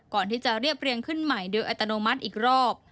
ก่อนที่จะเรียบเรียงขึ้นใหม่โดยอัตโนมัติอีกรอบ